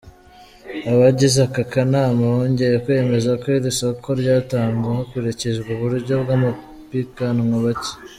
Abagize aka akanama bongeye kwemeza ko iri soko ryatangwa hakurikijwe uburyo bw’abapiganwa bake.